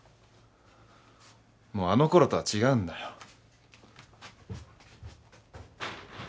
もうあのころとは違うんだよ。